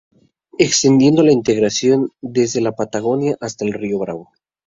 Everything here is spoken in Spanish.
Extendiendo la integración desde la Patagonia hasta el Río Bravo.